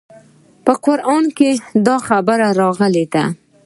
په قران کښې دا خبره راغلې ده.